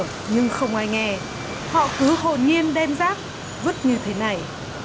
ông nhắc nhở nhưng không ai nghe họ cứ hồn nhiên đem rác vứt như thế này